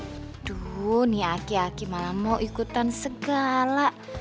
aduh nih aki aki malah mau ikutan segala